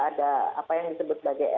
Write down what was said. ada apa yang disebut sebagai